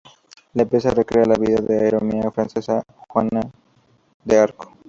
La pieza recrea la vida de la heroína francesa Juana de Arco.